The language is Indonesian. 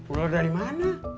ular dari mana